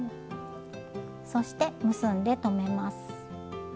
そして結んで留めます。